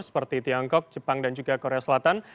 seperti tiongkok jepang dan juga korea selatan